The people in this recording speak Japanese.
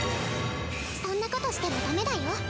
そんなことしてもダメだよ。